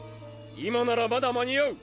今ならまだ間に合う。